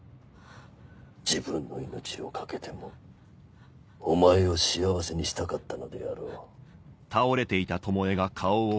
自分の命を懸けてもお前を幸せにしたかったのであろう。